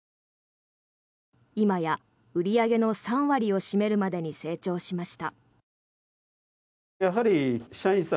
今や売り上げの３割を占めるまでに成長しました。